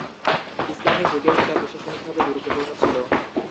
ইসলামী যুগেও এটা প্রশাসনিকভাবে গুরুত্বপূর্ণ ছিলো।